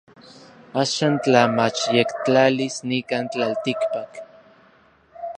Axan tla machyektlalis nikan tlaltikpak.